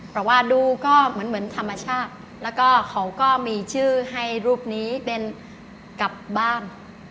เพราะว่าดูก็เหมือนธรรมชาติแล้วก็เขาก็มีชื่อให้รูปนี้เป็นกลับบ้าน